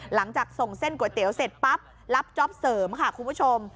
หลังจากส่งเส้นก๋วยเตี๋ยวเสร็จปั๊บรับจ๊อปเสริมค่ะคุณผู้ชม